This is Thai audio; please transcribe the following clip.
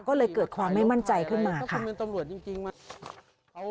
ก็เลยเกิดความไม่มั่นใจขึ้นมาค่ะ